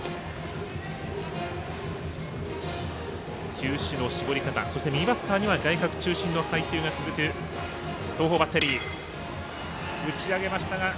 球種の絞り方、右バッターには外角中心の配球が続く東邦バッテリー。